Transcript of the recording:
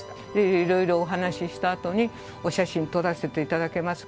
いろいろお話したあとに、お写真撮らせていただけますか？